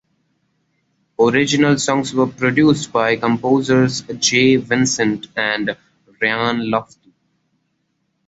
Original songs were produced by composers Jay Vincent and Ryan Lofty.